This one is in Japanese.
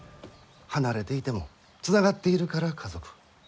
離れていてもつながっているから家族。